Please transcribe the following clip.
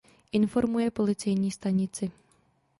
Informuje policejní stanici.